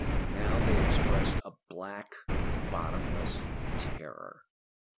Now they expressed a black, bottomless terror.